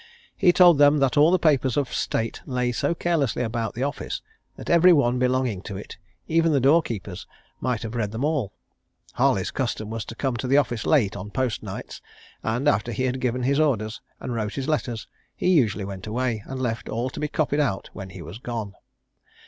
He told them that all the papers of state lay so carelessly about the office that every one belonging to it, even the door keepers, might have read them all. Harley's custom was to come to the office late on post nights, and, after he had given his orders, and wrote his letters, he usually went away, and left all to be copied out when he was gone.